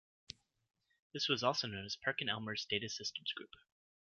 This was also known as Perkin-Elmer's Data Systems Group.